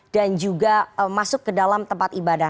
dan juga masuk ke dalam tempat ibadah